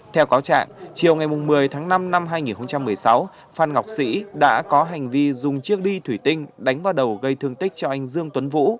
theo cáo trạng chiều ngày một mươi tháng năm năm hai nghìn một mươi sáu phan ngọc sĩ đã có hành vi dùng chiếc đi thủy tinh đánh vào đầu gây thương tích cho anh dương tuấn vũ